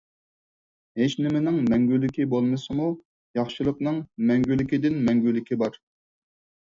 ھېچنىمىنىڭ مەڭگۈلۈكى بولمىسىمۇ ياخشىلىقنىڭ مەڭگۈلىكىدىن مەڭگۈلۈكى بار.